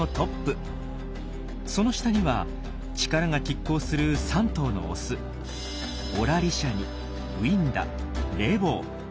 その下には力が拮抗する３頭のオス。オラリシャニウィンダレボー。